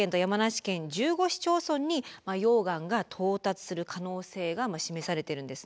市町村に溶岩が到達する可能性が示されてるんですね。